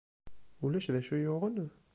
Ulac d acu iyi-yuɣen?